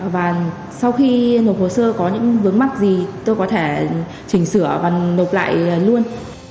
và sau khi nộp hồ sơ có những vướng mắt gì tôi có thể chỉnh sửa và nộp lại luôn